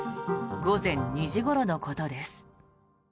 午前２時ごろのことです。